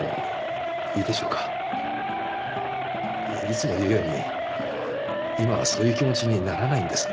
いつも言うように今はそういう気持ちにならないんです。